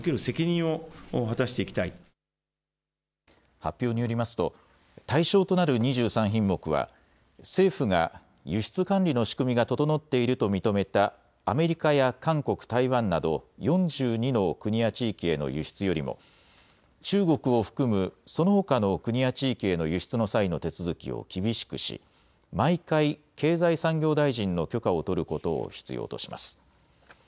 発表によりますと対象となる２３品目は政府が輸出管理の仕組みが整っていると認めたアメリカや韓国、台湾など４２の国や地域への輸出よりも中国を含むそのほかの国や地域への輸出の際の手続きを厳しくし毎回、経済産業大臣の許可を取ることを必要とします。